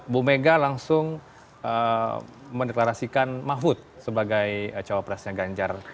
bu mega langsung mendeklarasikan mahfud sebagai jawa presnya ganjar